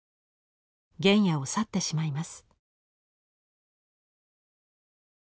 原野を去ってしまいます。